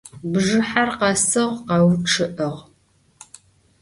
Bjjıher khesığ, kheuççı'ığ.